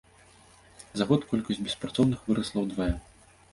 За год колькасць беспрацоўных вырасла ўдвая.